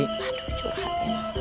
aduh curhat ya